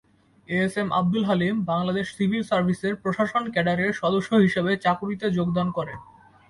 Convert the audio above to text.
এ S M Abdul Halim Bangladesh civil সার্ভিসের প্রশাসন ক্যাডারের সদস্য হিসেবে চাকুরিতে যোগদান করেন।